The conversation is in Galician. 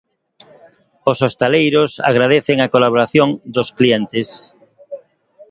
Os hostaleiros agradecen a colaboración dos clientes.